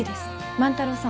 万太郎さん